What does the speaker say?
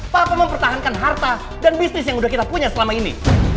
mampu mempertahankan harta dan bisnis yang sudah kita punya selama ini